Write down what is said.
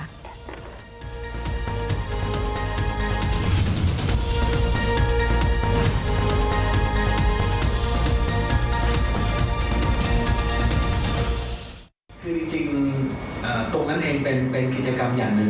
คือจริงตรงนั้นเองเป็นกิจกรรมอย่างหนึ่ง